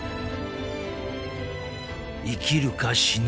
［生きるか死ぬか。